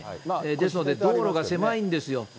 ですので道路が狭いんですよ。